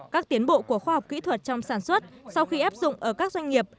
các tiến bộ của khoa học kỹ thuật trong sản xuất sau khi áp dụng ở các doanh nghiệp